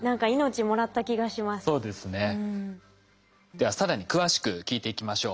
では更に詳しく聞いていきましょう。